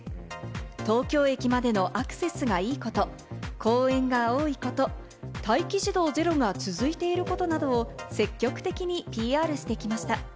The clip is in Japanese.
東京駅までのアクセスがいいこと、公園が多いこと、待機児童ゼロが続いていることなどを積極的にＰＲしてきました。